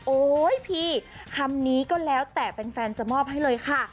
โอ๊ยพี่คำนี้ก็แล้วแต่แฟนจะมอบให้เลยค่ะ